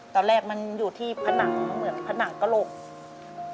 ตอนแรกมันอยู่ที่ผนังเหมือนผนังกระโหลก